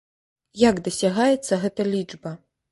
Як дасягаецца гэта лічба?